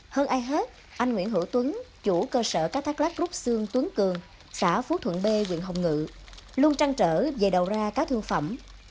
hơn ai hết anh nguyễn hữu tuấn chủ cơ sở cá thác lát rút xương tuấn cường xã phú thuận b huyện hồng ngự luôn trăng trở về đầu ra cá thương phẩm